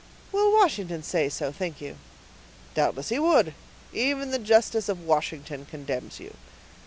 "Will Washington say so, think you?" "Doubtless he would; even the justice of Washington condemns you."